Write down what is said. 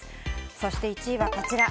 そして１位はこちら。